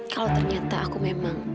kalau ternyata aku memang